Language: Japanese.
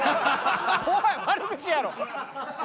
おい悪口やろ！